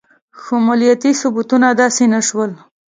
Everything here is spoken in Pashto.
خو مالیاتي ثبتونه داسې نه شول.